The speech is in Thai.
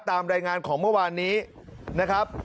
ตามรายงานของเมื่อวานนี้นะครับ